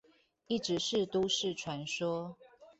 一直是都市傳說